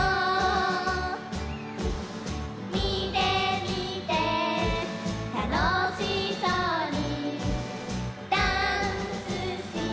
「みてみてたのしそうにダンスしているよ」